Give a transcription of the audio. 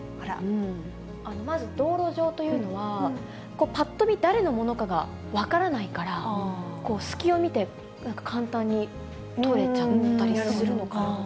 まず道路上というのは、ぱっと見、誰のものかが分からないから、隙を見て、なんか簡単にとれちゃったりするのかなと。